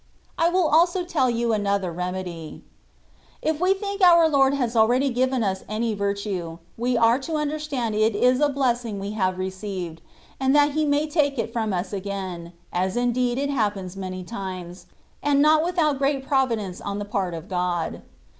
I will also tell you another remedy. If we think our Lord has already given us any virtue, we are to understand it is a bless ing we have received, and that He may take it from us again, as indeed it happens many times, and not without great providence on the part of God.